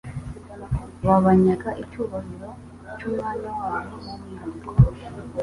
babanyaga icyubahiro cy'umwanya wabo w'umwihariko.